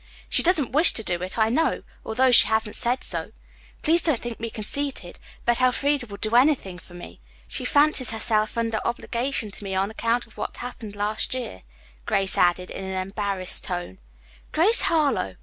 She doesn't wish to do it, I know, although she hasn't said so. Please don't think me conceited, but Elfreda would do anything for me. She fancies herself under obligation to me on account of what happened last year," Grace added in an embarrassed tone. "Grace Harlowe!"